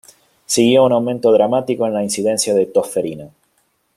Siguió un aumento dramático en la incidencia de tos ferina.